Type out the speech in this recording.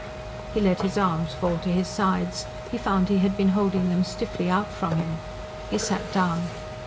He let his arms fall to his sides; he found he had been holding them stiffly out from him. He sat down.